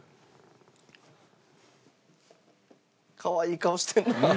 かわいい顔してるな。